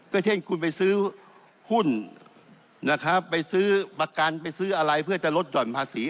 ก็เช่นคุณไปซื้อหุ้นนะครับไปซื้อประกันไปซื้ออะไรเพื่อจะลดห่อนภาษี